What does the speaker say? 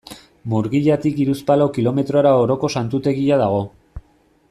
Murgiatik hiruzpalau kilometrora Oroko Santutegia dago.